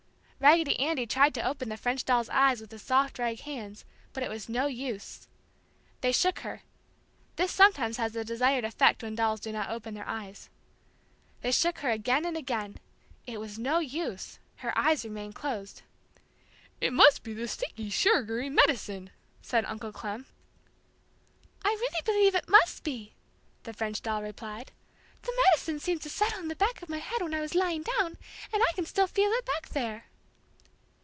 Raggedy Andy tried to open the French doll's eyes with his soft rag hands, but it was no use. They shook her. This sometimes has the desired effect when dolls do not open their eyes. They shook her again and again. It was no use, her eyes remained closed. "It must be the sticky, sugary 'medicine'!" said Uncle Clem. "I really believe it must be!" the French doll replied. "The 'medicine' seemed to settle in the back of my head when I was lying down, and I can still feel it back there!"